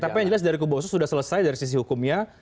tapi yang jelas dari kubu oso sudah selesai dari sisi hukumnya